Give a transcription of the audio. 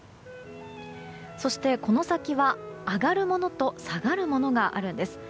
そしてこの先は、上がるものと下がるものがあるんです。